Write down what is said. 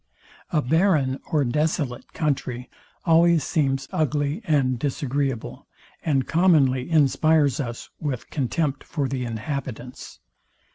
A barren or desolate country always seems ugly and disagreeable, and commonly inspires us with contempt for the inhabitants.